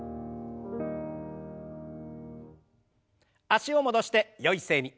脚を戻してよい姿勢に。